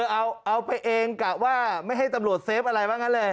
เอาไปเองกะว่าไม่ให้ตำรวจเซฟอะไรบ้างนั้นเลย